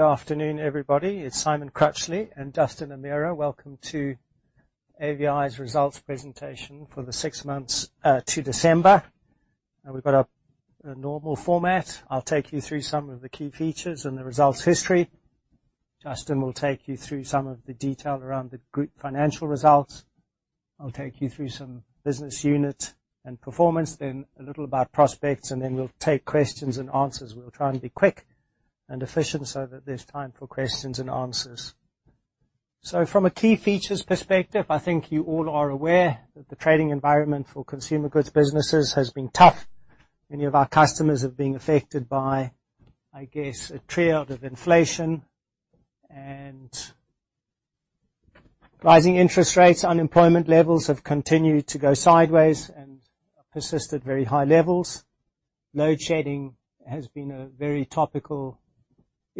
Good afternoon, everybody. It's Simon Crutchley and Justin O'Meara. Welcome to AVI's results presentation for the six months to December. We've got a normal format. I'll take you through some of the key features and the results history. Justin will take you through some of the detail around the group financial results. I'll take you through some business unit and performance, then a little about prospects, and then we'll take questions and answers. We'll try and be quick and efficient so that there's time for questions and answers. From a key features perspective, I think you all are aware that the trading environment for consumer goods businesses has been tough. Many of our customers have been affected by, I guess, a trio of inflation and rising interest rates. Unemployment levels have continued to go sideways and persist at very high levels. Load shedding has been a very topical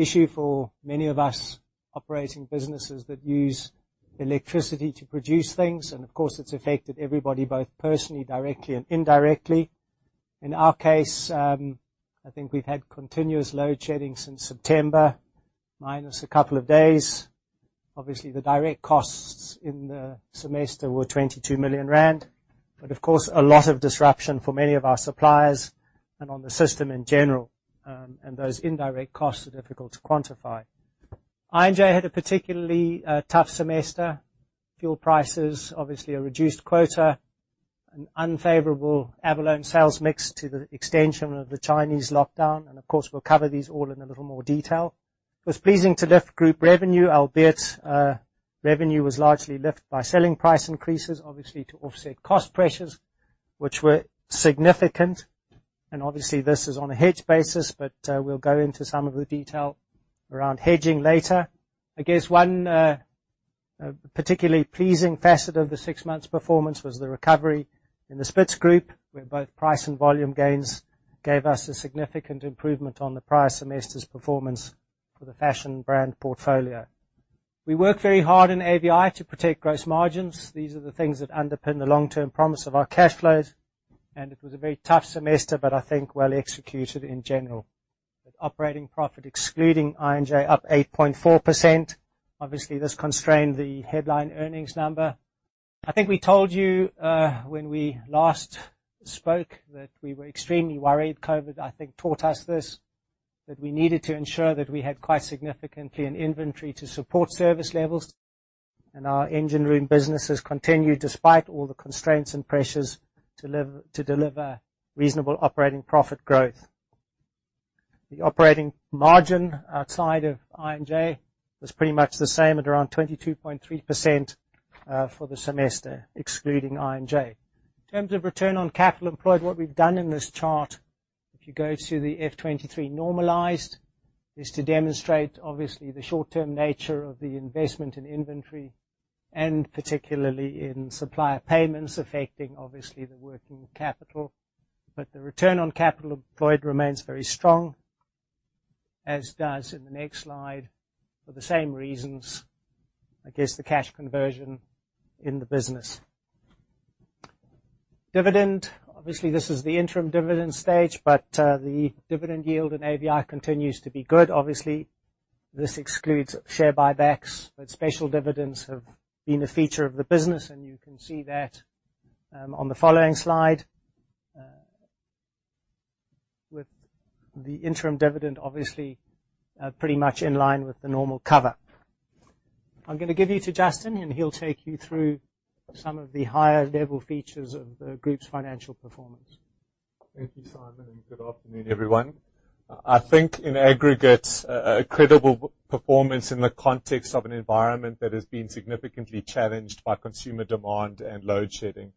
issue for many of us operating businesses that use electricity to produce things, and of course, it's affected everybody, both personally, directly, and indirectly. In our case, I think we've had continuous load shedding since September, minus a couple of days. Obviously, the direct costs in the semester were 22 million rand, but of course, a lot of disruption for many of our suppliers and on the system in general, and those indirect costs are difficult to quantify. I&J had a particularly tough semester. Fuel prices, obviously a reduced quota, an unfavorable abalone sales mix to the extension of the Chinese lockdown. We'll cover these all in a little more detail. It was pleasing to lift group revenue, albeit, revenue was largely lift by selling price increases, obviously to offset cost pressures, which were significant. Obviously, this is on a hedged basis, but we'll go into some of the detail around hedging later. I guess one particularly pleasing facet of the six months performance was the recovery in the Spitz Group, where both price and volume gains gave us a significant improvement on the prior semester's performance for the fashion brand portfolio. We worked very hard in AVI to protect gross margins. These are the things that underpin the long-term promise of our cash flows. It was a very tough semester, but I think well executed in general. With operating profit, excluding I&J up 8.4%. Obviously, this constrained the headline earnings number. I think we told you when we last spoke that we were extremely worried. COVID, I think, taught us this, that we needed to ensure that we had quite significantly an inventory to support service levels. Our engine room businesses continued, despite all the constraints and pressures to deliver reasonable operating profit growth. The operating margin outside of I&J was pretty much the same at around 22.3% for the semester, excluding I&J. In terms of return on capital employed, what we've done in this chart, if you go to the F2023 normalized, is to demonstrate, obviously, the short-term nature of the investment in inventory, and particularly in supplier payments affecting, obviously, the working capital. The return on capital employed remains very strong, as does in the next slide for the same reasons, I guess the cash conversion in the business. Dividend. Obviously, this is the interim dividend stage, but the dividend yield in AVI continues to be good. Obviously, this excludes share buybacks, but special dividends have been a feature of the business, and you can see that, on the following slide. With the interim dividend, obviously, pretty much in line with the normal cover. I'm gonna give you to Justin, and he'll take you through some of the higher level features of the group's financial performance. Thank you, Simon. Good afternoon, everyone. I think in aggregate, a credible performance in the context of an environment that has been significantly challenged by consumer demand and load shedding.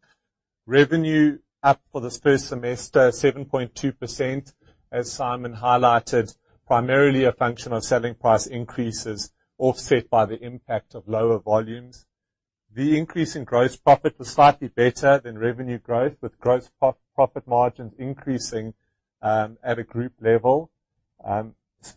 Revenue up for this first semester, 7.2%, as Simon highlighted, primarily a function of selling price increases offset by the impact of lower volumes. The increase in gross profit was slightly better than revenue growth, with gross profit margins increasing at a group level.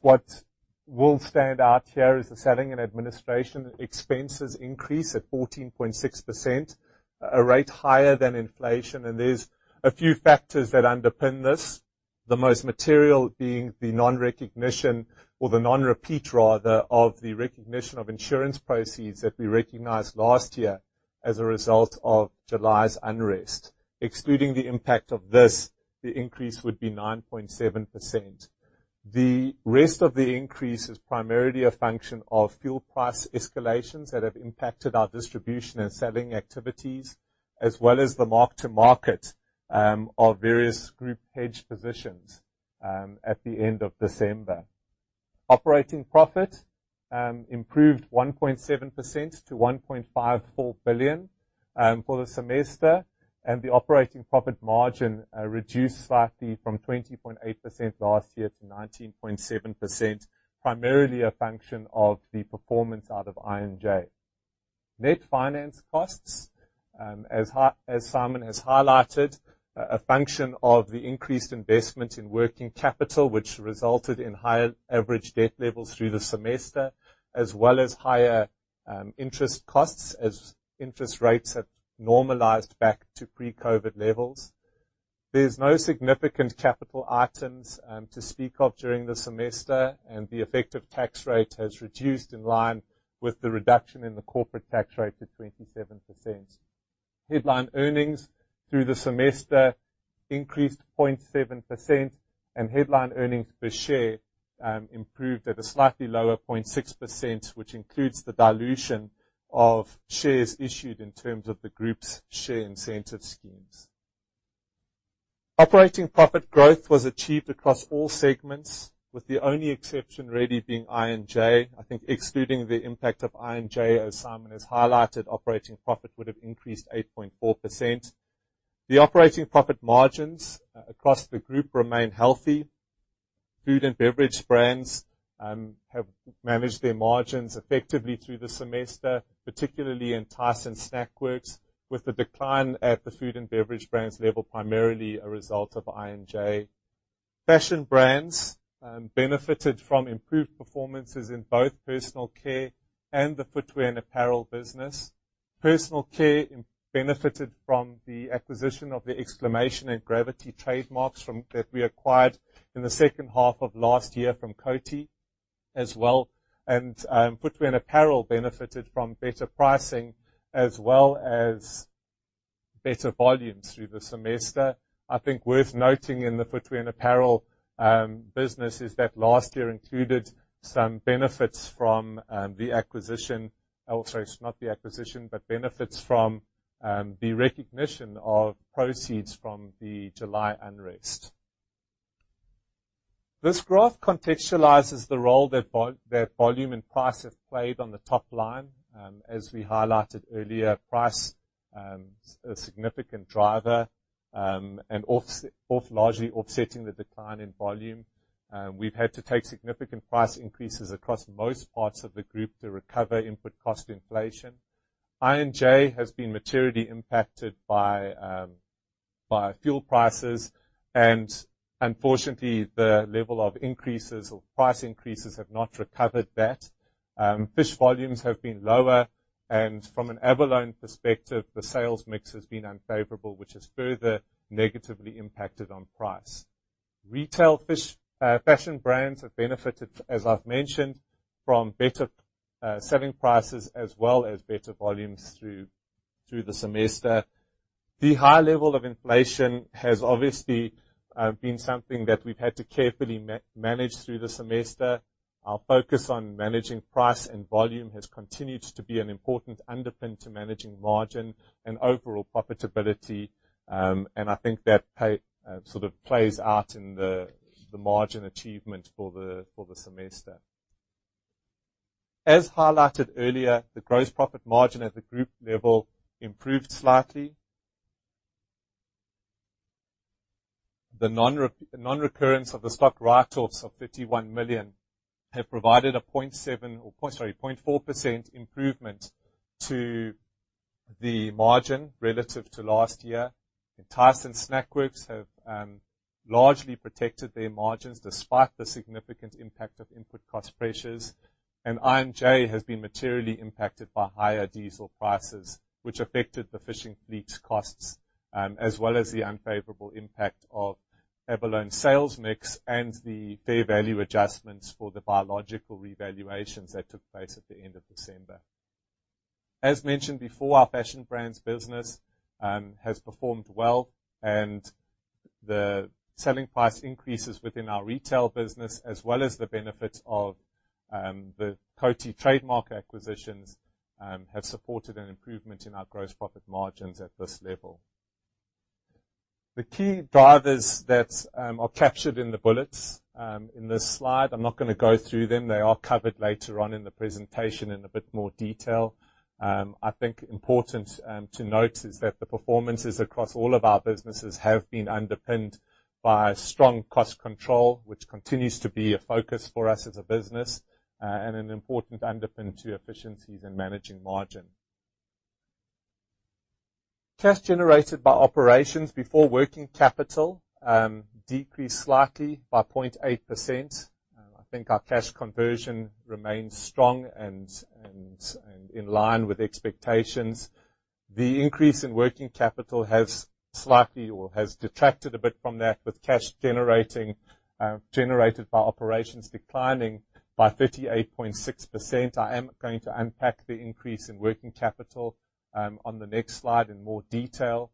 What will stand out here is the selling and administration expenses increase at 14.6%, a rate higher than inflation. There's a few factors that underpin this. The most material being the non-recognition or the non-repeat rather, of the recognition of insurance proceeds that we recognized last year as a result of July's unrest. Excluding the impact of this, the increase would be 9.7%. The rest of the increase is primarily a function of fuel price escalations that have impacted our distribution and selling activities, as well as the mark to market of various group hedge positions at the end of December. Operating profit improved 1.7% to 1.54 billion for the semester, and the operating profit margin reduced slightly from 20.8% last year to 19.7%, primarily a function of the performance out of I&J. Net finance costs, as Simon has highlighted, a function of the increased investment in working capital, which resulted in higher average debt levels through the semester, as well as higher interest costs as interest rates have normalized back to pre-COVID levels. There's no significant capital items to speak of during the semester. The effective tax rate has reduced in line with the reduction in the corporate tax rate to 27%. Headline earnings through the semester increased 0.7%. Headline earnings per share improved at a slightly lower 0.6%, which includes the dilution of shares issued in terms of the group's share incentive schemes. Operating profit growth was achieved across all segments, with the only exception really being I&J. I think excluding the impact of I&J, as Simon has highlighted, operating profit would have increased 8.4%. The operating profit margins across the group remain healthy. Food and beverage brands managed their margins effectively through the semester, particularly in Snackworks, with the decline at the food and beverage brands level, primarily a result of I&J. Fashion brands benefited from improved performances in both Personal Care and the Footwear and Apparel business. Personal Care benefited from the acquisition of the Exclamation and Gravity trademarks from that we acquired in the second half of last year from Coty as well. Footwear and Apparel benefited from better pricing as well as better volumes through the semester. I think worth noting in the Footwear and Apparel business is that last year included some benefits from the acquisition. Oh, sorry, it's not the acquisition, but benefits from the recognition of proceeds from the July unrest. This graph contextualizes the role that volume and price have played on the top line. As we highlighted earlier, price, a significant driver, and largely offsetting the decline in volume. We've had to take significant price increases across most parts of the group to recover input cost inflation. I&J has been materially impacted by fuel prices, and unfortunately, the level of increases or price increases have not recovered that. Fish volumes have been lower, and from an abalone perspective, the sales mix has been unfavorable, which has further negatively impacted on price. Retail fish fashion brands have benefited, as I've mentioned, from better selling prices as well as better volumes through the semester. The high level of inflation has obviously been something that we've had to carefully manage through the semester. Our focus on managing price and volume has continued to be an important underpin to managing margin and overall profitability, and I think that sort of plays out in the margin achievement for the semester. As highlighted earlier, the gross profit margin at the group level improved slightly. The nonrecurrence of the stock write-offs of 51 million have provided a 0.7%, or sorry, 0.4% improvement to the margin relative to last year. Snackworks have largely protected their margins despite the significant impact of input cost pressures. I&J has been materially impacted by higher diesel prices, which affected the fishing fleet's costs, as well as the unfavorable impact of abalone sales mix and the fair value adjustments for the biological revaluations that took place at the end of December. As mentioned before, our fashion brands business has performed well, and the selling price increases within our retail business, as well as the benefit of the Coty trademark acquisitions, have supported an improvement in our gross profit margins at this level. The key drivers that are captured in the bullets in this slide, I'm not gonna go through them. They are covered later on in the presentation in a bit more detail. I think important to note is that the performances across all of our businesses have been underpinned by strong cost control, which continues to be a focus for us as a business, and an important underpin to efficiencies in managing margin. Cash generated by operations before working capital decreased slightly by 0.8%. I think our cash conversion remains strong and in line with expectations. The increase in working capital has slightly or has detracted a bit from that, with cash generating generated by operations declining by 38.6%. I am going to unpack the increase in working capital on the next slide in more detail.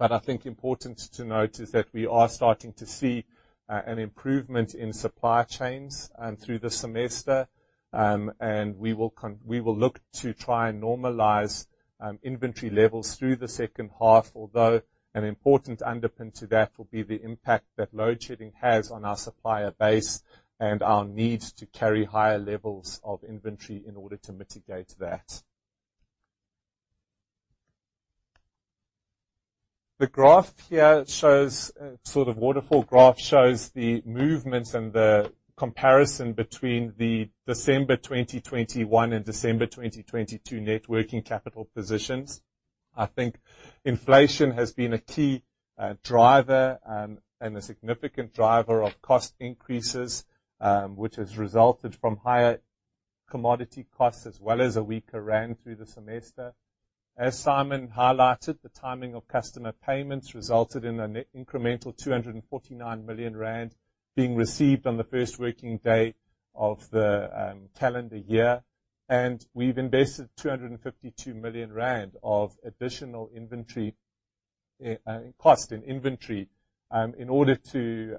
I think important to note is that we are starting to see an improvement in supply chains through the semester. We will look to try and normalize inventory levels through the second half, although an important underpin to that will be the impact that load shedding has on our supplier base and our need to carry higher levels of inventory in order to mitigate that. The graph here shows sort of waterfall graph, shows the movement and the comparison between the December 2021 and December 2022 net working capital positions. I think inflation has been a key driver and a significant driver of cost increases, which has resulted from higher commodity costs, as well as a weaker rand through the semester. As Simon highlighted, the timing of customer payments resulted in an incremental 249 million rand being received on the first working day of the calendar year. We've invested 252 million rand of additional inventory, cost in inventory, in order to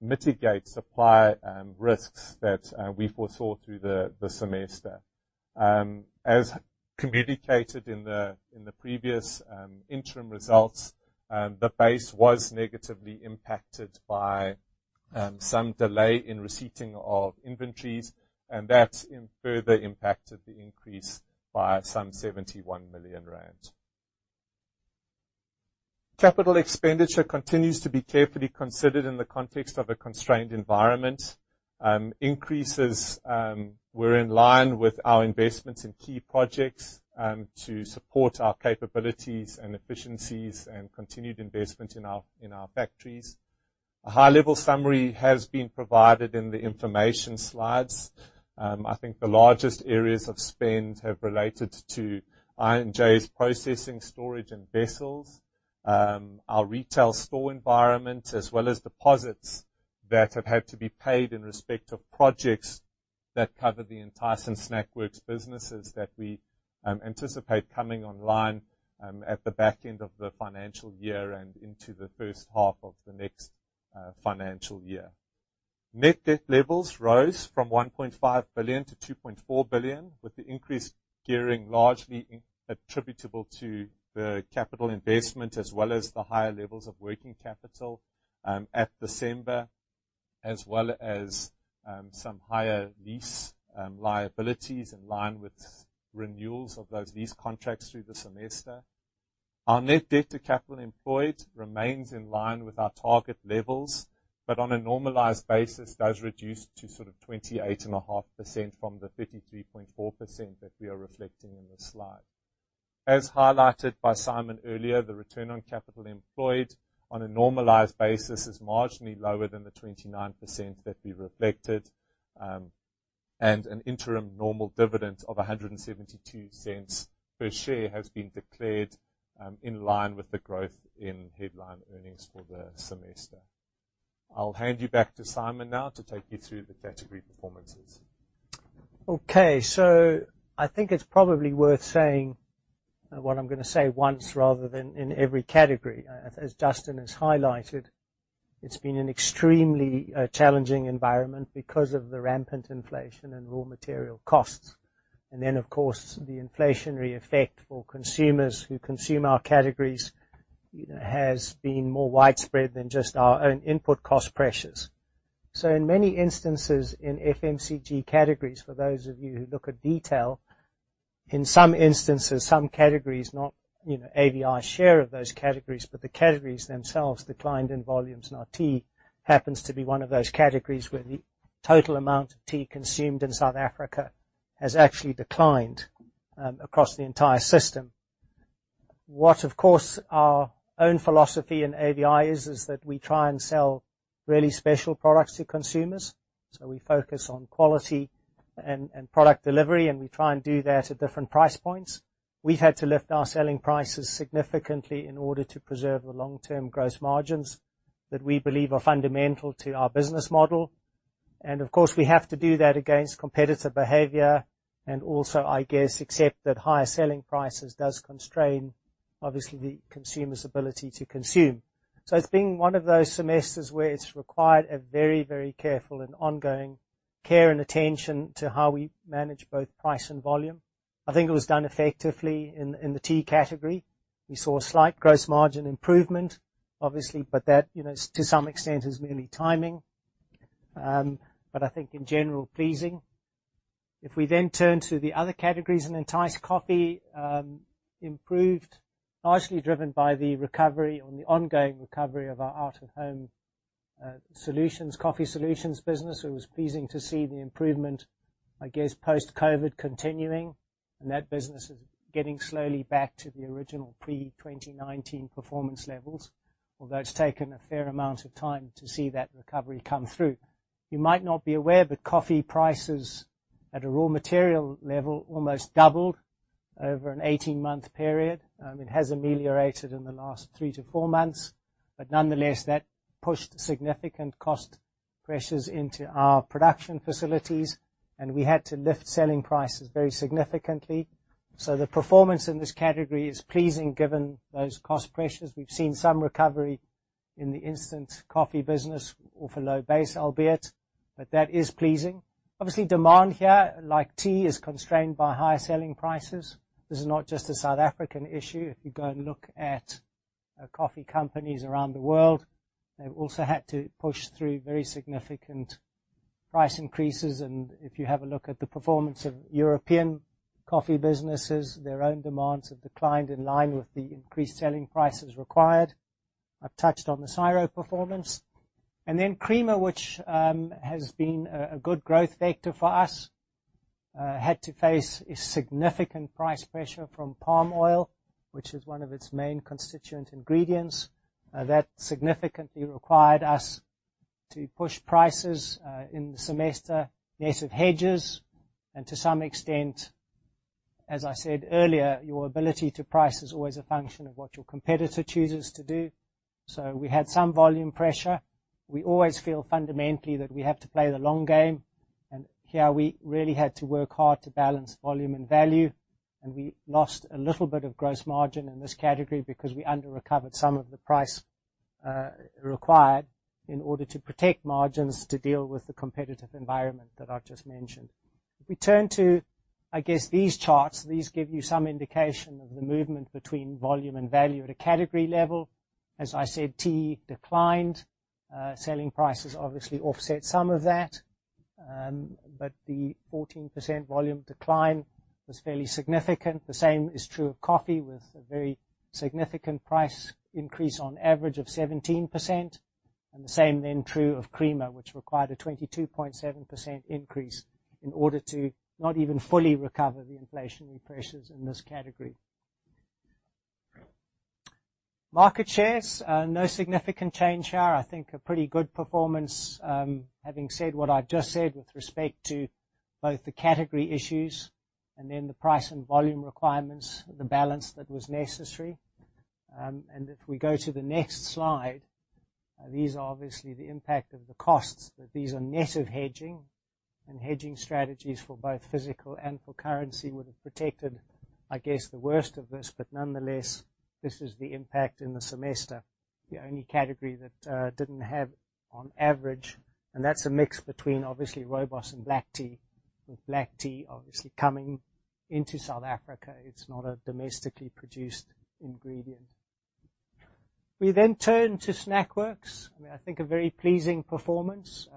mitigate supply risks that we foresaw through the semester. As communicated in the previous interim results, the base was negatively impacted by some delay in receipting of inventories, and that's further impacted the increase by some 71 million rand. Capital expenditure continues to be carefully considered in the context of a constrained environment. Increases were in line with our investments in key projects to support our capabilities and efficiencies and continued investment in our, in our factories. A high-level summary has been provided in the information slides. I think the largest areas of spend have related to I&J's processing, storage and vessels, our retail store environment, as well as deposits that have had to be paid in respect of projects that cover the Entice and Snackworks businesses that we anticipate coming online at the back end of the financial year and into the first half of the next financial year. Net debt levels rose from 1.5 billion to 2.4 billion, with the increase gearing largely attributable to the capital investment as well as the higher levels of working capital at December, as well as some higher lease liabilities in line with renewals of those lease contracts through the semester. Our net debt to capital employed remains in line with our target levels, but on a normalized basis, does reduce to sort of 28.5% from the 33.4% that we are reflecting in this slide. As highlighted by Simon earlier, the return on capital employed on a normalized basis is marginally lower than the 29% that we reflected. An interim normal dividend of 1.72 per share has been declared in line with the growth in headline earnings for the semester. I'll hand you back to Simon now to take you through the category performances. Okay. I think it's probably worth saying what I'm gonna say once rather than in every category. As Justin has highlighted, it's been an extremely challenging environment because of the rampant inflation and raw material costs. Of course, the inflationary effect for consumers who consume our categories, you know, has been more widespread than just our own input cost pressures. In many instances, in FMCG categories, for those of you who look at detail, in some instances, some categories, not, you know, AVI's share of those categories, but the categories themselves declined in volumes, and our tea happens to be one of those categories where the total amount of tea consumed in South Africa has actually declined across the entire system. What, of course, our own philosophy in AVI is that we try and sell really special products to consumers, we focus on quality and product delivery, and we try and do that at different price points. We've had to lift our selling prices significantly in order to preserve the long-term gross margins that we believe are fundamental to our business model. Of course, we have to do that against competitor behavior and also, I guess, accept that higher selling prices does constrain, obviously, the consumer's ability to consume. It's been one of those semesters where it's required a very careful and ongoing care and attention to how we manage both price and volume. I think it was done effectively in the tea category. We saw a slight gross margin improvement, obviously, that, you know, to some extent is merely timing. I think in general, pleasing. Entice Coffee improved, largely driven by the recovery or the ongoing recovery of our out-of-home solutions, coffee solutions business. It was pleasing to see the improvement, I guess, post-COVID continuing, and that business is getting slowly back to the original pre-2019 performance levels. It's taken a fair amount of time to see that recovery come through. You might not be aware, but coffee prices at a raw material level almost doubled over an 18-month period. It has ameliorated in the last three to four months, nonetheless, that pushed significant cost pressures into our production facilities, and we had to lift selling prices very significantly. The performance in this category is pleasing given those cost pressures. We've seen some recovery in the instant coffee business off a low base, albeit, but that is pleasing. Obviously, demand here, like tea, is constrained by higher selling prices. This is not just a South African issue. If you go and look at coffee companies around the world, they've also had to push through very significant price increases. If you have a look at the performance of European coffee businesses, their own demands have declined in line with the increased selling prices required. I've touched on the CIRO performance. Crema, which has been a good growth vector for us, had to face a significant price pressure from palm oil, which is one of its main constituent ingredients. That significantly required us to push prices in the semester net of hedges, and to some extent, as I said earlier, your ability to price is always a function of what your competitor chooses to do. We had some volume pressure. We always feel fundamentally that we have to play the long game, and here we really had to work hard to balance volume and value, and we lost a little bit of gross margin in this category because we underrecovered some of the price required in order to protect margins to deal with the competitive environment that I've just mentioned. If we turn to, I guess, these charts, these give you some indication of the movement between volume and value at a category level. As I said, tea declined. Selling prices obviously offset some of that, but the 14% volume decline was fairly significant. The same is true of coffee, with a very significant price increase on average of 17%. The same then true of creamer, which required a 22.7% increase in order to not even fully recover the inflationary pressures in this category. Market shares, no significant change here. I think a pretty good performance. Having said what I've just said with respect to both the category issues and then the price and volume requirements, the balance that was necessary. If we go to the next slide, these are obviously the impact of the costs, but these are net of hedging. Hedging strategies for both physical and for currency would have protected, I guess, the worst of this, but nonetheless, this is the impact in the semester, the only category that didn't have on average. That's a mix between obviously rooibos and black tea, with black tea obviously coming into South Africa. It's not a domestically produced ingredient. We turn to Snackworks. I think a very pleasing performance.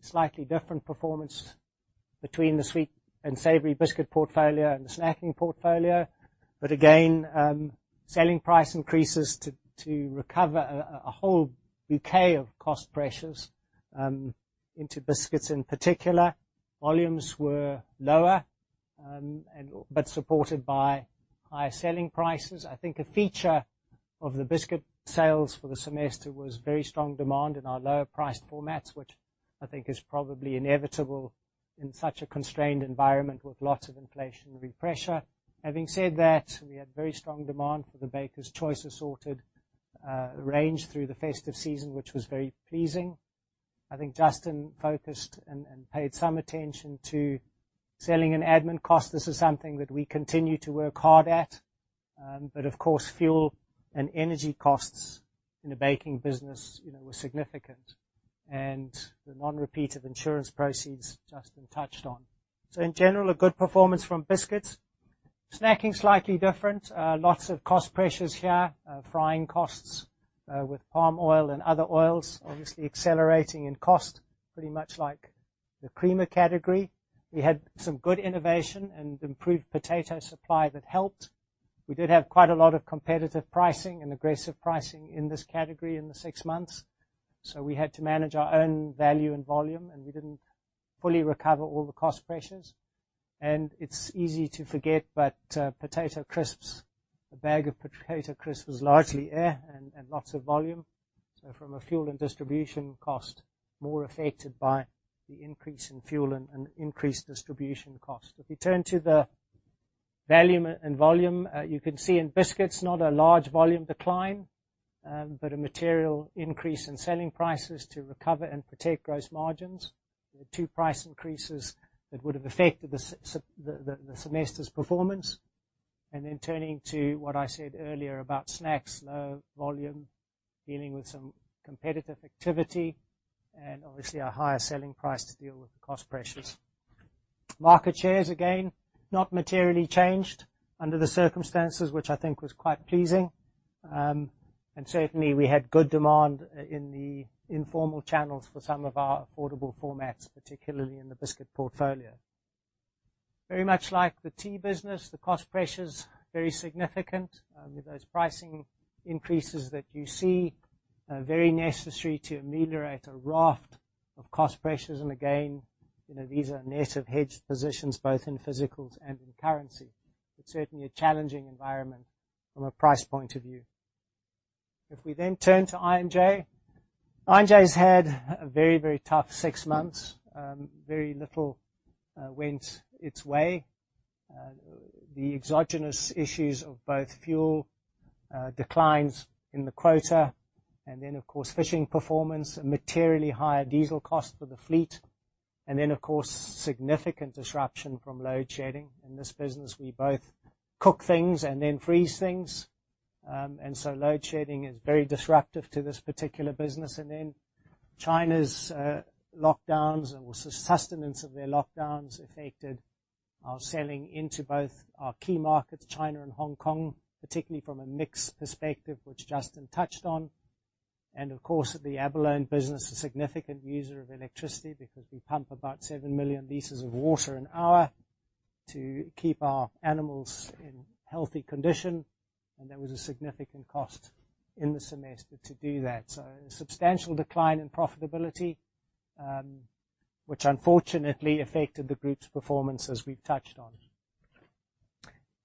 Slightly different performance between the sweet and savory biscuit portfolio and the snacking portfolio. Again, selling price increases to recover a whole bouquet of cost pressures into biscuits in particular. Volumes were lower, and but supported by higher selling prices. I think a feature of the biscuit sales for the semester was very strong demand in our lower-priced formats, which I think is probably inevitable in such a constrained environment with lots of inflationary pressure. Having said that, we had very strong demand for the Bakers Choice Assorted range through the festive season, which was very pleasing. I think Justin focused and paid some attention to selling and admin costs. This is something that we continue to work hard at. Of course, fuel and energy costs in the baking business, you know, were significant. The non-repeat of insurance proceeds, Justin touched on. In general, a good performance from biscuits. Snacking's slightly different. Lots of cost pressures here. Frying costs with palm oil and other oils obviously accelerating in cost, pretty much like the creamer category. We had some good innovation and improved potato supply that helped. We did have quite a lot of competitive pricing and aggressive pricing in this category in the six months, so we had to manage our own value and volume, and we didn't fully recover all the cost pressures. It's easy to forget, but potato crisps, a bag of potato crisp is largely air and lots of volume. From a fuel and distribution cost, more affected by the increase in fuel and increased distribution cost. If we turn to the value and volume, you can see in biscuits, not a large volume decline, but a material increase in selling prices to recover and protect gross margins. The 2 price increases that would have affected the semester's performance. Turning to what I said earlier about snacks, low volume, dealing with some competitive activity, and obviously a higher selling price to deal with the cost pressures. Market shares, again, not materially changed under the circumstances, which I think was quite pleasing. Certainly, we had good demand in the informal channels for some of our affordable formats, particularly in the biscuit portfolio. Very much like the tea business, the cost pressures very significant, with those pricing increases that you see, very necessary to ameliorate a raft of cost pressures. Again, you know, these are net of hedged positions, both in physicals and in currency. It's certainly a challenging environment from a price point of view. If we then turn to I&J. I&J's had a very, very tough six months. Very little went its way. The exogenous issues of both fuel, declines in the quota, fishing performance, materially higher diesel cost for the fleet, significant disruption from load shedding. In this business, we both cook things and then freeze things. Load shedding is very disruptive to this particular business. China's lockdowns or sustenance of their lockdowns affected our selling into both our key markets, China and Hong Kong, particularly from a mix perspective, which Justin touched on. The abalone business, a significant user of electricity because we pump about 7 million L of water an hour to keep our animals in healthy condition. There was a significant cost in the semester to do that. A substantial decline in profitability, which unfortunately affected the group's performance as we've touched on.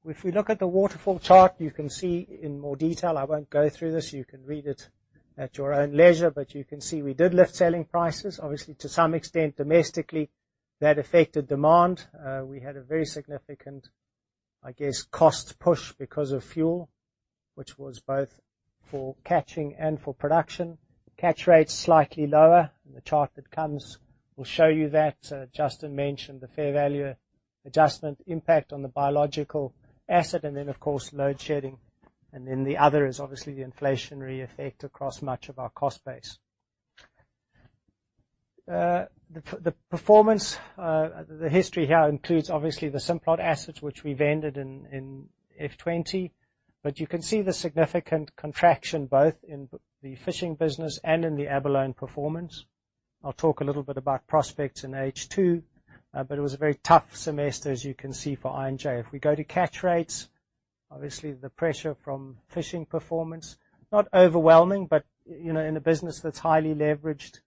If we look at the waterfall chart, you can see in more detail. I won't go through this. You can read it at your own leisure, but you can see we did lift selling prices, obviously, to some extent domestically, that affected demand. We had a very significant, I guess, cost push because of fuel, which was both for catching and for production. Catch rates slightly lower, the chart that comes will show you that. Justin mentioned the fair value adjustment impact on the biological asset, then of course, load shedding. The other is obviously the inflationary effect across much of our cost base. The performance, the history here includes obviously the Simplot assets, which we vended in F2020. You can see the significant contraction both in the fishing business and in the abalone performance. I'll talk a little bit about prospects in H two, but it was a very tough semester, as you can see, for I&J. If we go to catch rates, obviously the pressure from fishing performance, not overwhelming, but, you know, in a business that's highly leveraged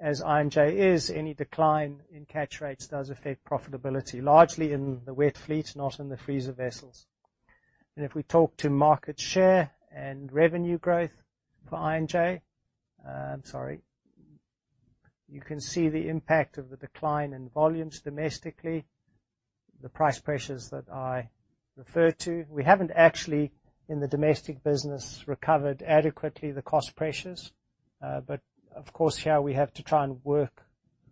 as I&J is, any decline in catch rates does affect profitability, largely in the wet fleet, not in the freezer vessels. If we talk to market share and revenue growth for I&J, I'm sorry. You can see the impact of the decline in volumes domestically, the price pressures that I referred to. We haven't actually, in the domestic business, recovered adequately the cost pressures, but of course, here we have to try and work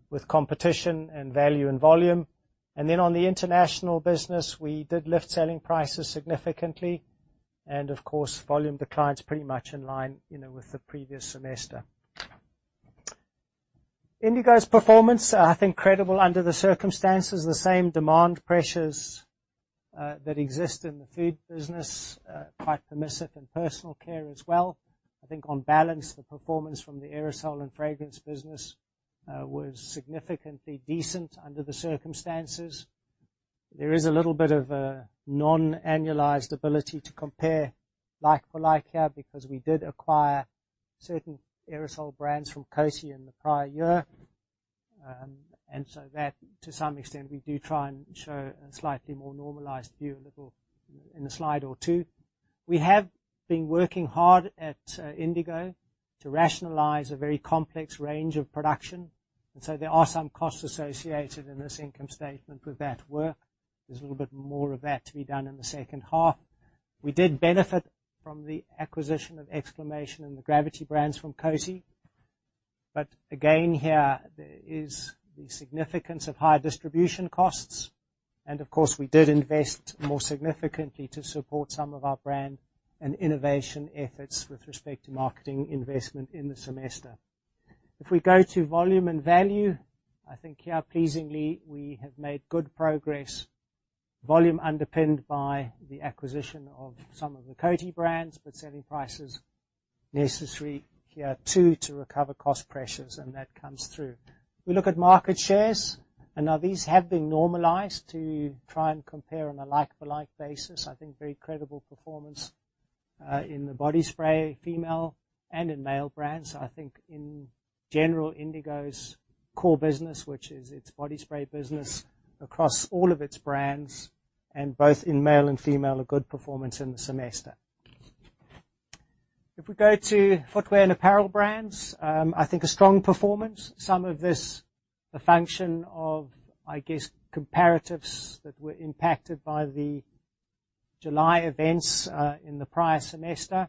with competition and value and volume. On the international business, we did lift selling prices significantly, and of course, volume declines pretty much in line, you know, with the previous semester. Indigo's performance, I think credible under the circumstances, the same demand pressures that exist in the food business, quite permissive in personal care as well. I think on balance, the performance from the aerosol and fragrance business was significantly decent under the circumstances. There is a little bit of a non-annualized ability to compare like for like here because we did acquire certain aerosol brands from Coty in the prior year. That to some extent, we do try and show a slightly more normalized view a little in a slide or two. We have been working hard at Indigo to rationalize a very complex range of production. There are some costs associated in this income statement with that work. There's a little bit more of that to be done in the second half. We did benefit from the acquisition of Exclamation and the Gravity brands from Coty. Again, here, there is the significance of higher distribution costs. Of course, we did invest more significantly to support some of our brand and innovation efforts with respect to marketing investment in the semester. If we go to volume and value, I think here pleasingly, we have made good progress. Volume underpinned by the acquisition of some of the Coty brands. Selling prices necessary here too to recover cost pressures. That comes through. We look at market shares. Now these have been normalized to try and compare on a like-for-like basis. I think very credible performance in the body spray, female, and in male brands. I think in general, Indigo's core business, which is its body spray business across all of its brands and both in male and female, a good performance in the semester. If we go to footwear and apparel brands, I think a strong performance. Some of this a function of, I guess, comparatives that were impacted by the July events in the prior semester.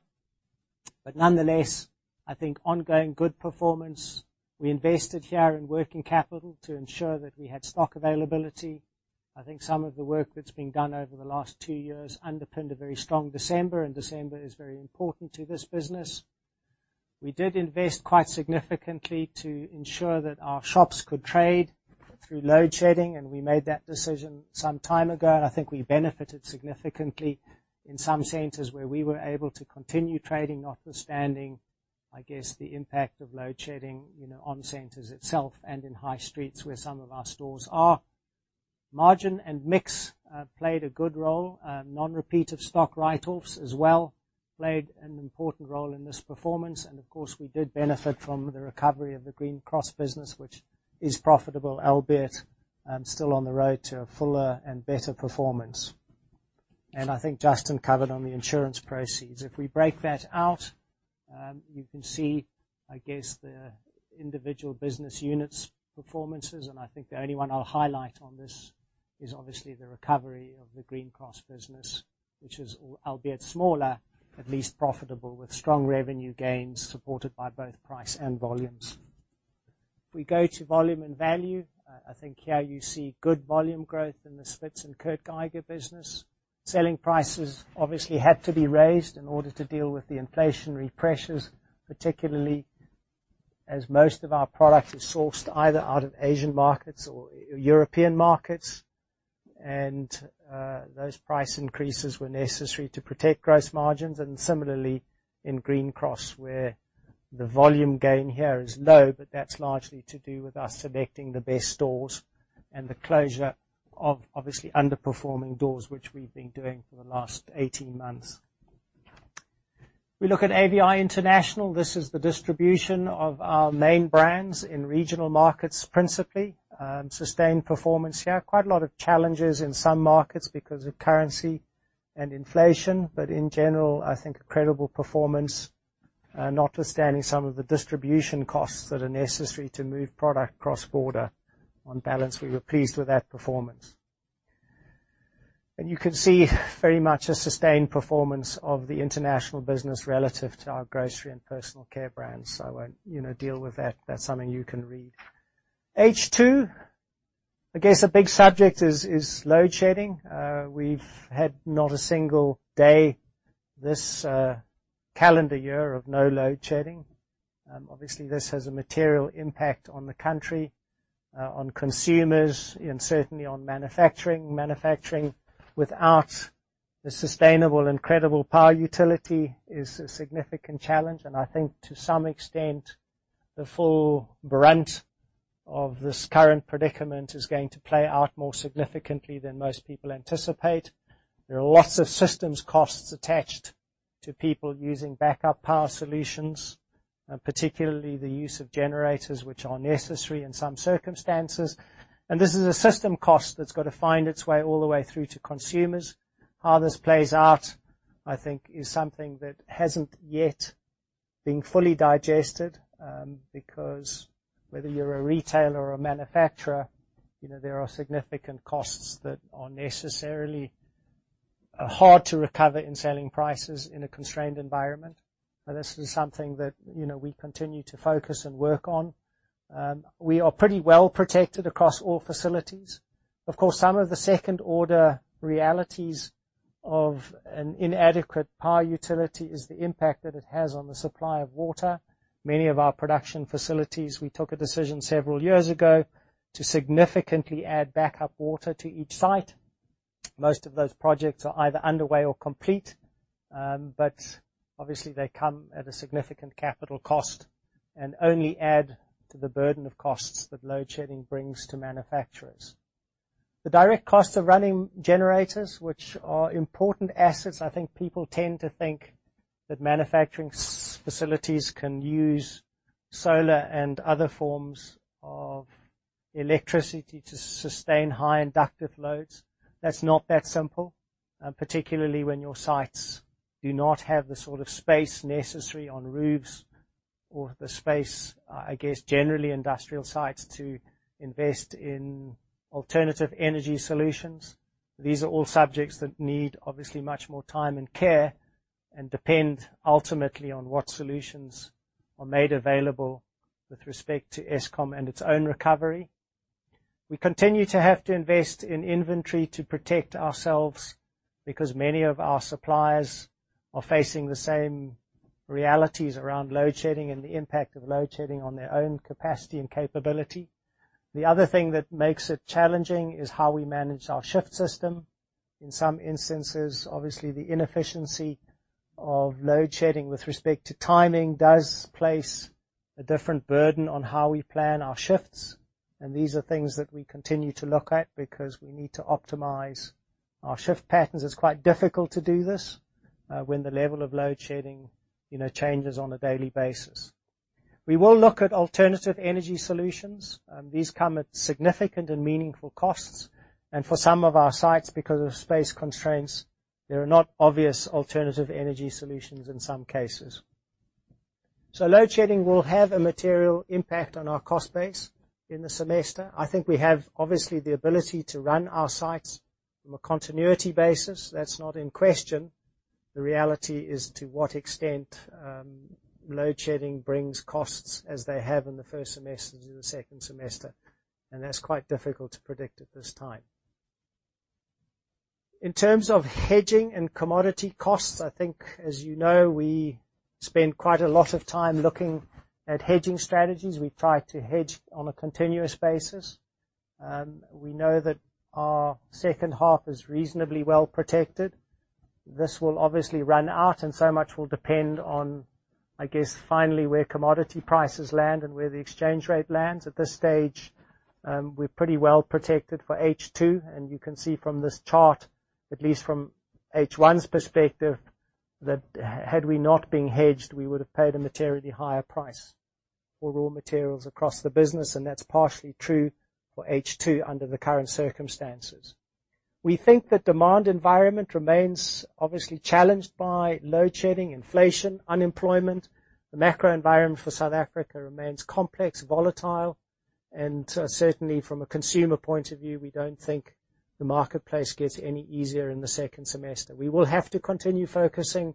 Nonetheless, I think ongoing good performance. We invested here in working capital to ensure that we had stock availability. I think some of the work that's been done over the last two years underpinned a very strong December, and December is very important to this business. We did invest quite significantly to ensure that our shops could trade through load shedding. We made that decision some time ago. I think we benefited significantly in some centers where we were able to continue trading, notwithstanding, I guess, the impact of load shedding, you know, on centers itself and in high streets where some of our stores are. Margin and mix played a good role. Non-repeat of stock write-offs as well played an important role in this performance. Of course, we did benefit from the recovery of the Green Cross business, which is profitable, albeit still on the road to a fuller and better performance. I think Justin covered on the insurance proceeds. If we break that out, you can see, I guess, the individual business units' performances. I think the only one I'll highlight on this is obviously the recovery of the Green Cross business, which is, albeit smaller, at least profitable, with strong revenue gains supported by both price and volumes. If we go to volume and value, I think here you see good volume growth in the Spitz and Kurt Geiger business. Selling prices obviously had to be raised in order to deal with the inflationary pressures, particularly as most of our product is sourced either out of Asian markets or European markets. Those price increases were necessary to protect gross margins. Similarly in Green Cross, where the volume gain here is low, but that's largely to do with us selecting the best stores and the closure of obviously underperforming doors, which we've been doing for the last 18 months. We look at AVI International. This is the distribution of our main brands in regional markets, principally. Sustained performance here. Quite a lot of challenges in some markets because of currency and inflation. In general, I think a credible performance, notwithstanding some of the distribution costs that are necessary to move product cross-border. On balance, we were pleased with that performance. You can see very much a sustained performance of the international business relative to our grocery and personal care brands. I won't, you know, deal with that. That's something you can read. H2, I guess a big subject is load shedding. We've had not a single day this calendar year of no load shedding. Obviously, this has a material impact on the country, on consumers, and certainly on manufacturing. Manufacturing without the sustainable and credible power utility is a significant challenge. I think to some extent, the full brunt of this current predicament is going to play out more significantly than most people anticipate. There are lots of systems costs attached to people using backup power solutions, and particularly the use of generators which are necessary in some circumstances. This is a system cost that's gotta find its way all the way through to consumers. How this plays out, I think, is something that hasn't yet been fully digested because whether you're a retailer or manufacturer, you know, there are significant costs that are necessarily hard to recover in selling prices in a constrained environment. This is something that, you know, we continue to focus and work on. We are pretty well protected across all facilities. Some of the second-order realities of an inadequate power utility is the impact that it has on the supply of water. Many of our production facilities, we took a decision several years ago to significantly add backup water to each site. Most of those projects are either underway or complete, they come at a significant capital cost and only add to the burden of costs that load shedding brings to manufacturers. The direct costs of running generators, which are important assets, I think people tend to think that manufacturing facilities can use solar and other forms of electricity to sustain high inductive loads. That's not that simple, particularly when your sites do not have the sort of space necessary on roofs or the space, I guess, generally industrial sites to invest in alternative energy solutions. These are all subjects that need obviously much more time and care, and depend ultimately on what solutions are made available with respect to Eskom and its own recovery. We continue to have to invest in inventory to protect ourselves because many of our suppliers are facing the same realities around load shedding and the impact of load shedding on their own capacity and capability. The other thing that makes it challenging is how we manage our shift system. In some instances, obviously the inefficiency of load shedding with respect to timing does place a different burden on how we plan our shifts, and these are things that we continue to look at because we need to optimize our shift patterns. It's quite difficult to do this when the level of load shedding, you know, changes on a daily basis. We will look at alternative energy solutions. These come at significant and meaningful costs. For some of our sites, because of space constraints, there are not obvious alternative energy solutions in some cases. Load shedding will have a material impact on our cost base in the semester. We have obviously the ability to run our sites from a continuity basis. That's not in question. The reality is to what extent load shedding brings costs as they have in the first semester to the second semester, and that's quite difficult to predict at this time. In terms of hedging and commodity costs, as you know, we spend quite a lot of time looking at hedging strategies. We try to hedge on a continuous basis. We know that our second half is reasonably well protected. This will obviously run out. So much will depend on, I guess, finally, where commodity prices land and where the exchange rate lands. At this stage, we're pretty well protected for H2. You can see from this chart, at least from H1's perspective, that had we not been hedged, we would have paid a materially higher price for raw materials across the business, and that's partially true for H2 under the current circumstances. We think the demand environment remains obviously challenged by load shedding, inflation, unemployment. The macro environment for South Africa remains complex, volatile. Certainly from a consumer point of view, we don't think the marketplace gets any easier in the second semester. We will have to continue focusing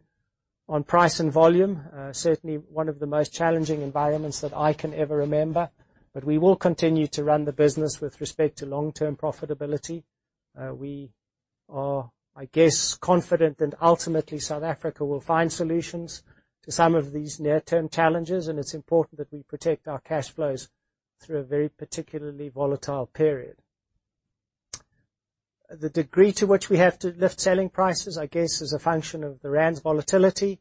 on price and volume. Certainly one of the most challenging environments that I can ever remember. We will continue to run the business with respect to long-term profitability. We are, I guess, confident that ultimately South Africa will find solutions to some of these near-term challenges, and it's important that we protect our cash flows through a very particularly volatile period. The degree to which we have to lift selling prices, I guess, is a function of the rand's volatility,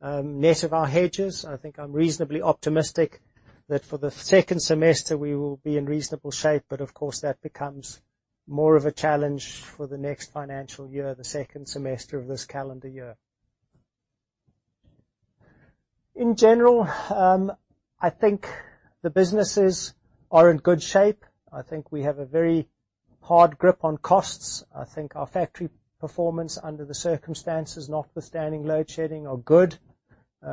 net of our hedges. I think I'm reasonably optimistic—that for the second semester, we will be in reasonable shape, but of course, that becomes more of a challenge for the next financial year, the second semester of this calendar year. In general, I think the businesses are in good shape. I think we have a very hard grip on costs. I think our factory performance under the circumstances, notwithstanding load shedding, are good.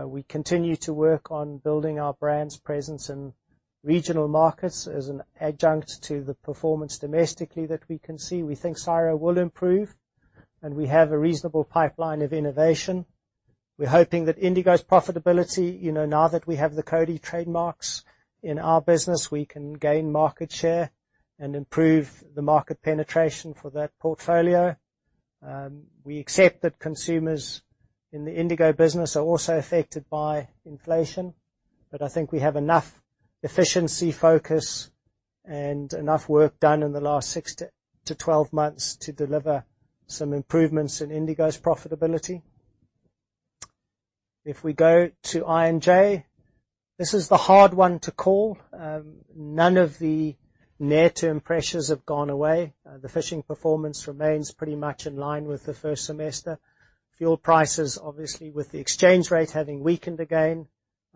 We continue to work on building our brands presence in regional markets as an adjunct to the performance domestically that we can see. We think CIRO will improve, and we have a reasonable pipeline of innovation. We're hoping that Indigo's profitability, you know, now that we have the Coty trademarks in our business, we can gain market share and improve the market penetration for that portfolio. We accept that consumers in the Indigo business are also affected by inflation, but I think we have enough efficiency focus and enough work done in the last six to 12 months to deliver some improvements in Indigo's profitability. If we go to I&J, this is the hard one to call. None of the near-term pressures have gone away. The fishing performance remains pretty much in line with the first semester. Fuel prices, obviously, with the exchange rate having weakened again,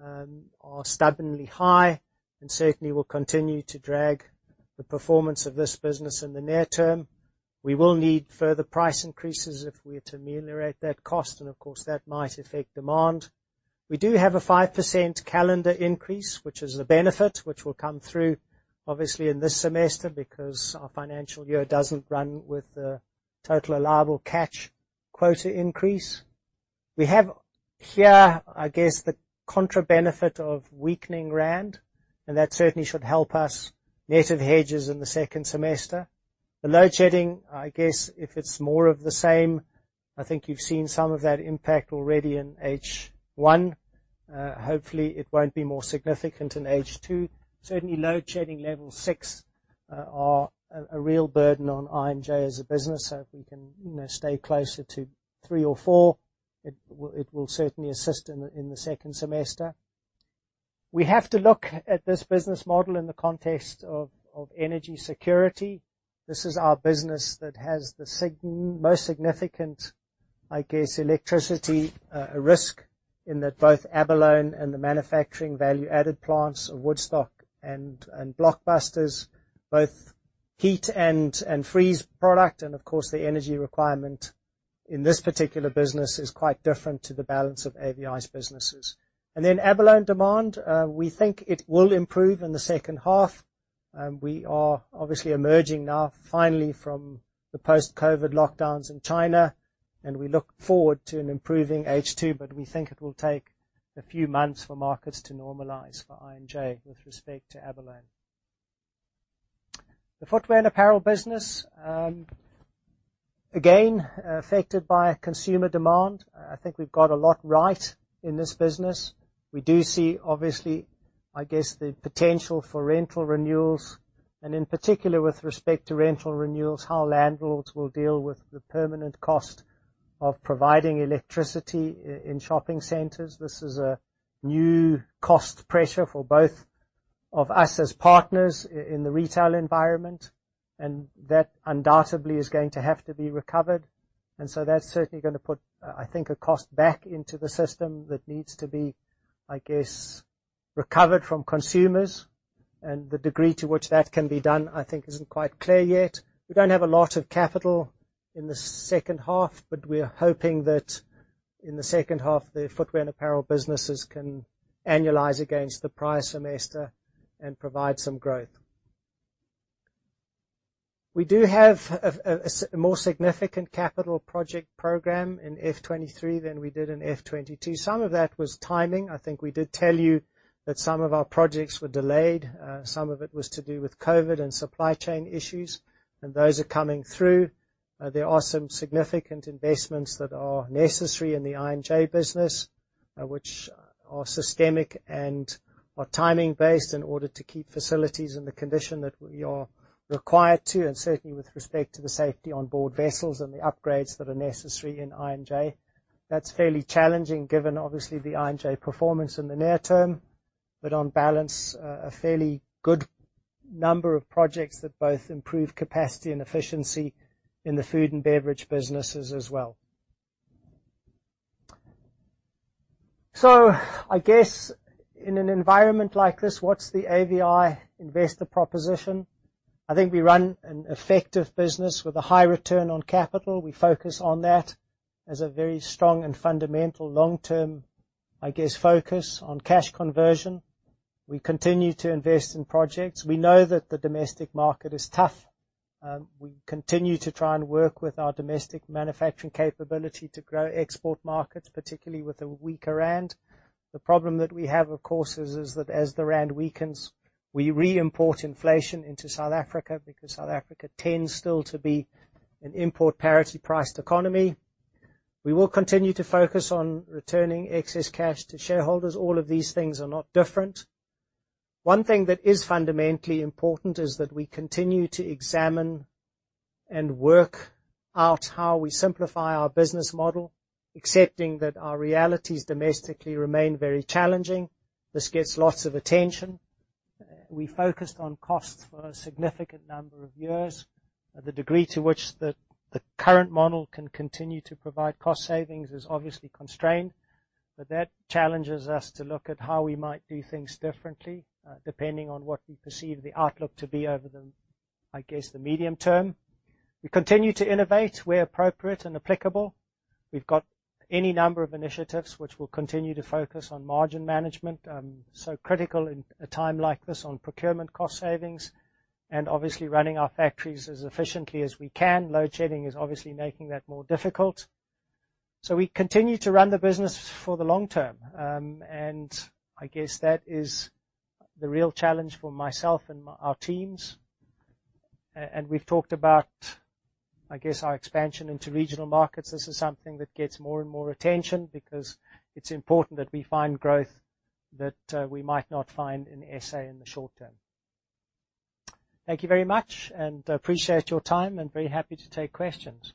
are stubbornly high and certainly will continue to drag the performance of this business in the near term. We will need further price increases if we are to ameliorate that cost, and of course, that might affect demand. We do have a 5% calendar increase, which is a benefit which will come through obviously in this semester because our financial year doesn't run with the total allowable catch quota increase. We have here, I guess, the contra benefit of weakening rand, and that certainly should help us net of hedges in the second semester. The load shedding, I guess, if it's more of the same, I think you've seen some of that impact already in H1. Hopefully it won't be more significant in H2. Load shedding Level 6 are a real burden on I&J as a business. If we can, you know, stay closer to Level 3 or Level 4, it will certainly assist in the second semester. We have to look at this business model in the context of energy security. This is our business that has the most significant, I guess, electricity risk in that both abalone and the manufacturing value-added plants of Woodstock and Blackheath, both heat and freeze product. Of course, the energy requirement in this particular business is quite different to the balance of AVI's businesses. Abalone demand, we think it will improve in the second half. We are obviously emerging now finally from the post-COVID lockdowns in China. We look forward to an improving H2. We think it will take a few months for markets to normalize for I&J with respect to abalone. The Footwear and Apparel business, again, affected by consumer demand. I think we've got a lot right in this business. We do see obviously, I guess, the potential for rental renewals, in particular with respect to rental renewals, how landlords will deal with the permanent cost of providing electricity in shopping centers. This is a new cost pressure for both of us as partners in the retail environment. That undoubtedly is going to have to be recovered. That's certainly going to put, I think, a cost back into the system that needs to be, I guess, recovered from consumers. The degree to which that can be done, I think isn't quite clear yet. We don't have a lot of capital in the second half, but we are hoping that in the second half, the Footwear and Apparel businesses can annualize against the prior semester and provide some growth. We do have a more significant capital project program in F2023 than we did in F2022. Some of that was timing. I think we did tell you that some of our projects were delayed. Some of it was to do with COVID and supply chain issues, and those are coming through. There are some significant investments that are necessary in the I&J business, which are systemic and are timing based in order to keep facilities in the condition that we are required to, and certainly with respect to the safety on board vessels and the upgrades that are necessary in I&J. That's fairly challenging given obviously the I&J performance in the near term, but on balance, a fairly good number of projects that both improve capacity and efficiency in the food and beverage businesses as well. In an environment like this, what's the AVI investor proposition? I think we run an effective business with a high return on capital. We focus on that as a very strong and fundamental long-term focus on cash conversion. We continue to invest in projects. We know that the domestic market is tough. We continue to try and work with our domestic manufacturing capability to grow export markets, particularly with the weaker rand. The problem that we have, of course, is that as the rand weakens, we re-import inflation into South Africa because South Africa tends still to be an import parity priced economy. We will continue to focus on returning excess cash to shareholders. All of these things are not different. One thing that is fundamentally important is that we continue to examine and work out how we simplify our business model, accepting that our realities domestically remain very challenging. This gets lots of attention. We focused on costs for a significant number of years. The degree to which the current model can continue to provide cost savings is obviously constrained. That challenges us to look at how we might do things differently, depending on what we perceive the outlook to be over the medium term. We continue to innovate where appropriate and applicable. We've got any number of initiatives which will continue to focus on margin management, so critical in a time like this on procurement cost savings and obviously running our factories as efficiently as we can. Load shedding is obviously making that more difficult. We continue to run the business for the long term. That is the real challenge for myself and our teams. We've talked about our expansion into regional markets. This is something that gets more and more attention because it's important that we find growth that we might not find in SA in the short term. Thank you very much. I appreciate your time and very happy to take questions.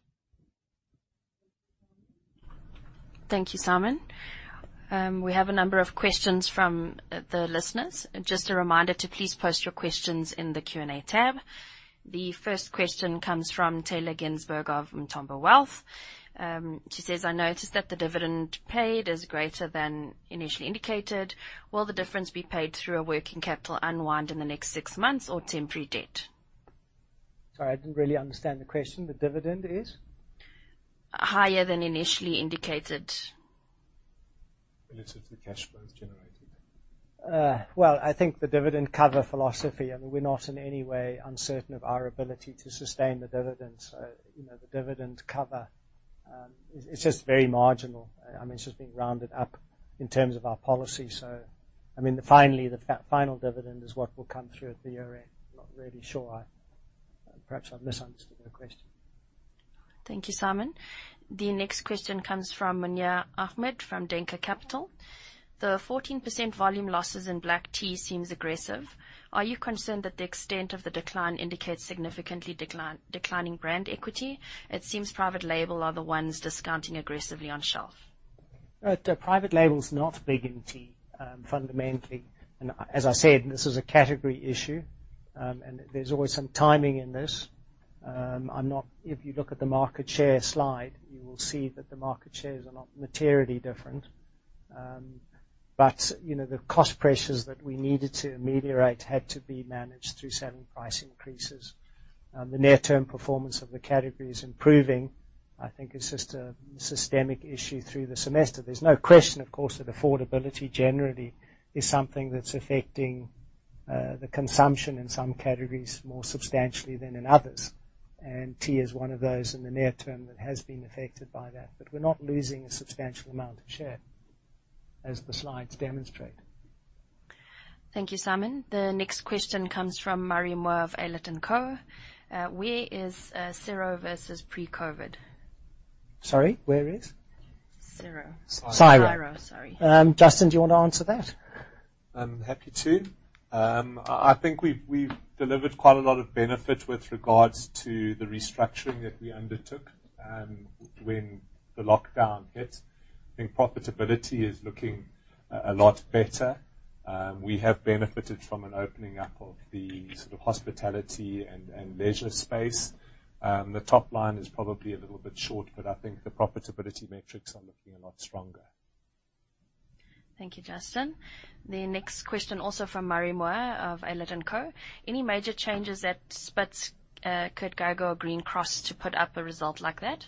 Thank you, Simon. We have a number of questions from the listeners. Just a reminder to please post your questions in the Q&A tab. The first question comes from Tarryn Ginsburg of Umthombo Wealth. She says, "I noticed that the dividend paid is greater than initially indicated. Will the difference be paid through a working capital unwind in the next six months or temporary debt? Sorry, I didn't really understand the question. The dividend is? Higher than initially indicated. Relative to the cash flows generated. Well, I think the dividend cover philosophy, and we're not in any way uncertain of our ability to sustain the dividend. You know, the dividend cover, it's just very marginal. I mean, it's just been rounded up in terms of our policy. I mean, finally, the final dividend is what will come through at the year-end. Not really sure. Perhaps I've misunderstood her question. Thank you, Simon. The next question comes from Muneer Ahmed from Denker Capital. "The 14% volume losses in black tea seems aggressive. Are you concerned that the extent of the decline indicates declining brand equity? It seems private label are the ones discounting aggressively on shelf. The private label is not big in tea, fundamentally. As I said, this is a category issue, and there's always some timing in this. If you look at the market share slide, you will see that the market shares are not materially different. You know, the cost pressures that we needed to ameliorate had to be managed through certain price increases. The near-term performance of the category is improving. I think it's just a systemic issue through the semester. There's no question, of course, that affordability generally is something that's affecting the consumption in some categories more substantially than in others. Tea is one of those in the near term that has been affected by that. We're not losing a substantial amount of share, as the slides demonstrate. Thank you, Simon. The next question comes from Mary Moore of Aylward & Co. "Where is, CIRO versus pre-COVID? Sorry, where is? CIRO. CIRO. CIRO, sorry. Justin, do you want to answer that? I'm happy to. I think we've delivered quite a lot of benefit with regards to the restructuring that we undertook when the lockdown hit. I think profitability is looking a lot better. We have benefited from an opening up of the sort of hospitality and leisure space. The top line is probably a little bit short, but I think the profitability metrics are looking a lot stronger. Thank you, Justin. The next question, also from Murray Moore of Aylett & Co. "Any major changes that Spitz, Kurt Geiger or Green Cross to put up a result like that?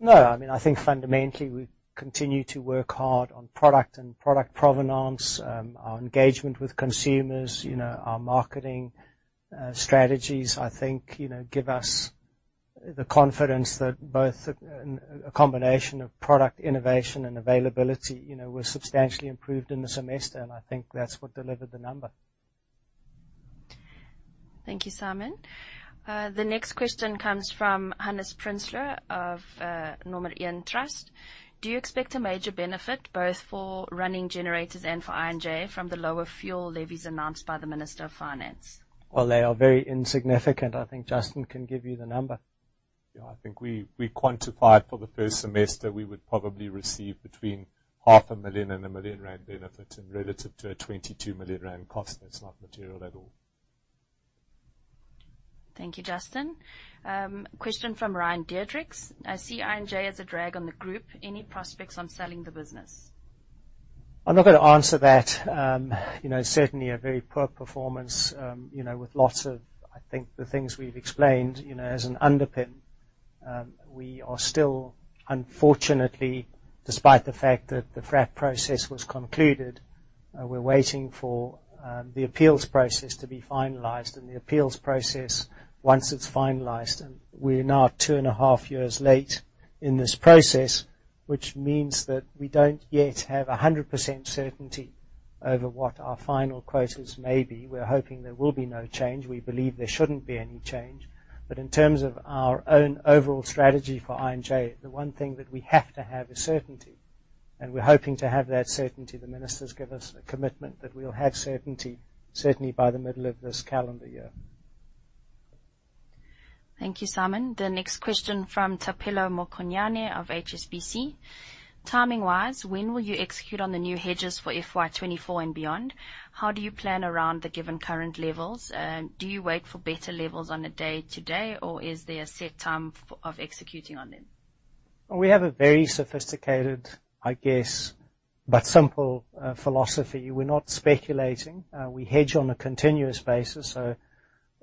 No. I mean, I think fundamentally, we continue to work hard on product and product provenance. Our engagement with consumers, you know, our marketing strategies, I think, you know, give us the confidence that both a combination of product innovation and availability, you know, were substantially improved in the semester. I think that's what delivered the number. Thank you, Simon. The next question comes from Hannes Prinsloo of Norman Ian Trust. "Do you expect a major benefit both for running generators and for I&J from the lower fuel levies announced by the Minister of Finance? Well, they are very insignificant. I think Justin can give you the number. Yeah. I think we quantified for the first semester, we would probably receive between 500,000 and 1 million rand benefit in relative to a 22 million rand cost. That's not material at all. Thank you, Justin. Question from Ryan Diedericks. "I see I&J as a drag on the group. Any prospects on selling the business? I'm not gonna answer that. You know, certainly a very poor performance, you know, with lots of, I think, the things we've explained, you know, as an underpin. We are still, unfortunately, despite the fact that the FRAP process was concluded, we're waiting for the appeals process to be finalized. The appeals process, once it's finalized, and we're now 2.5 years late in this process, which means that we don't yet have 100% certainty over what our final quotas may be. We're hoping there will be no change. We believe there shouldn't be any change. In terms of our own overall strategy for I&J, the one thing that we have to have is certainty. We're hoping to have that certainty. The ministers give us a commitment that we'll have certainty, certainly by the middle of this calendar year. Thank you, Simon. The next question from Thapelo Mokonyane of HSBC. "Timing-wise, when will you execute on the new hedges for FY 2024 and beyond? How do you plan around the given current levels? Do you wait for better levels on a day-to-day, or is there a set time of executing on them? We have a very sophisticated, I guess, but simple, philosophy. We're not speculating. We hedge on a continuous basis.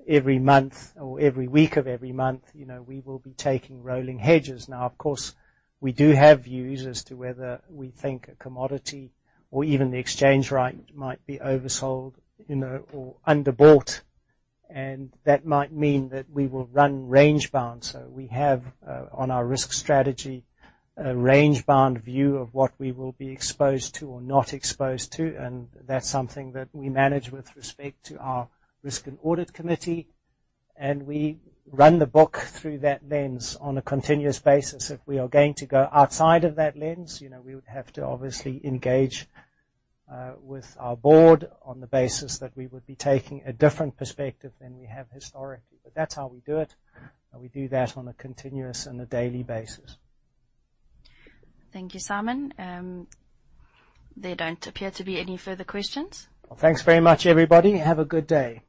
Every month or every week of every month, you know, we will be taking rolling hedges. Of course, we do have views as to whether we think a commodity or even the exchange rate might be oversold, you know, or underbought, and that might mean that we will run range bound. We have, on our risk strategy, a range bound view of what we will be exposed to or not exposed to, and that's something that we manage with respect to our risk and audit committee, and we run the book through that lens on a continuous basis. If we are going to go outside of that lens, you know, we would have to obviously engage with our board on the basis that we would be taking a different perspective than we have historically. That's how we do it, and we do that on a continuous and a daily basis. Thank you, Simon. There don't appear to be any further questions. Well, thanks very much, everybody. Have a good day.